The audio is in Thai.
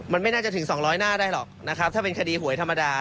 มันไม่น่าจะถึง๒๐๐หน้าได้หรอกนะครับถ้าเป็นคดีหวยธรรมดา